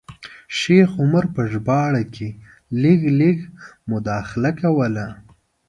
شیخ عمر په ژباړه کې لږ لږ مداخله کوله.